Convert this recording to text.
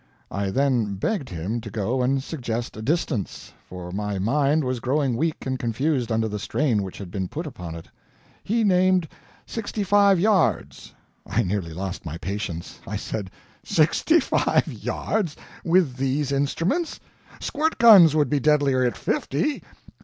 I then begged him to go and suggest a distance, for my mind was growing weak and confused under the strain which had been put upon it. He named sixty five yards. I nearly lost my patience. I said: "Sixty five yards, with these instruments? Squirt guns would be deadlier at fifty.